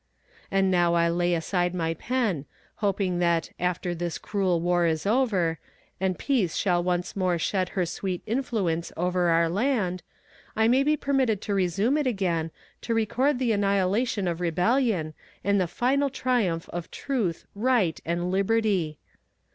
And now I lay aside my pen, hoping that after "this cruel war is over," and peace shall have once more shed her sweet influence over our land, I may be permitted to resume it again to record the annihilation of rebellion, and the final triumph of Truth, Right, and Liberty.